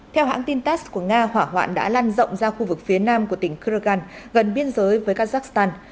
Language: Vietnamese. theo hãng tin tass của nga hỏa hoạn đã lan rộng ra khu vực phía nam của tỉnh kregan gần biên giới với kazakhstan